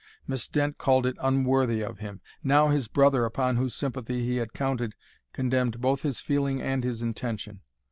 Miss Dent called it unworthy of him. Now his brother, upon whose sympathy he had counted, condemned both his feeling and his intention.